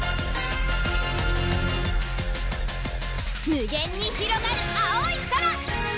無限にひろがる青い空！